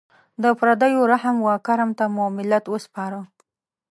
د پردیو رحم و کرم ته مو ملت وسپاره.